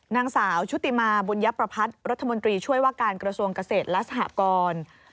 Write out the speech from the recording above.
นางสาวชุติมาบุญยประพัฒน์รัฐมนตรีช่วยว่าการกระทรวงเกษตรและสหกร